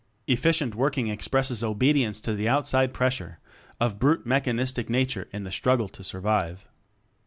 "Efficient" working expresses obedi ence to the outside pressure of brute mechanistic Nature in the struggle to survive.